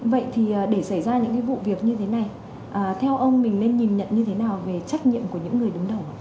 vậy thì để xảy ra những cái vụ việc như thế này theo ông mình nên nhìn nhận như thế nào về trách nhiệm của những người đứng đầu